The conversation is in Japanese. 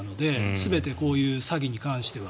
全てこういう詐欺に関しては。